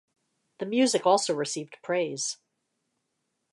The music also received praise.